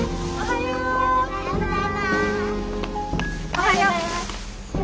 おはよう。